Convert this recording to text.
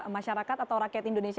masyarakat atau rakyat indonesia